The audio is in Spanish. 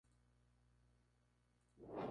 Es alcalde del municipio de Otavalo.